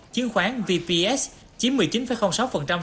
chiến khoán vps chiếm một mươi chín sáu